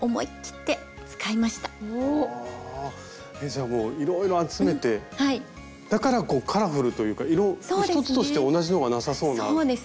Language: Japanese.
じゃあもういろいろ集めてだからカラフルというか色一つとして同じのがなさそうな感じなんですけど。